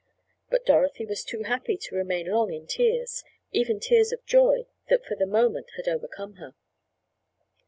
But Dorothy was too happy to remain long in tears—even tears of joy that for the moment had overcome her.